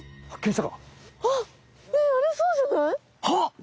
あっ！